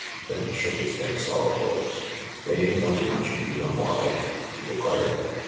Then he shook his head sorrowfully. "They ain't no punch in you no more, Ike," he declared.